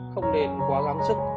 không nên quá gắng sức